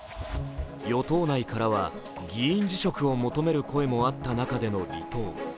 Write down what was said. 与党内からは議員辞職を求める声もあった中での離党。